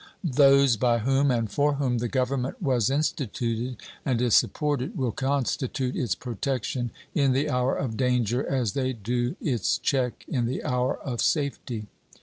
Those by whom and for whom the Government was instituted and is supported will constitute its protection in the hour of danger as they do its check in the hour of safety.